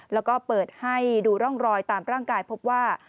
แล้วก็เปิดให้ดูร่องรอยตามร่างกายพบว่า